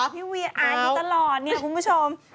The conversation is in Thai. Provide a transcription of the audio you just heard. พี่เวียอ่านอยู่ตลอดเนี่ยคุณผู้ชม